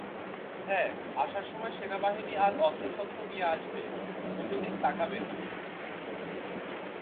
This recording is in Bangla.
হ্যাঁ, আসার সময় সেনাবাহিনী আর অস্ত্রশস্ত্র নিয়ে আসবে কোনও দিকে তাকাবে না!